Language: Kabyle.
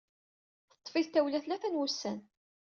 Teṭṭef-it tawla tlata n wussan.